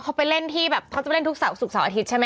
เขาไปเล่นที่แบบเขาจะไปเล่นทุกเสาร์ศุกเสาร์อาทิตย์ใช่ไหม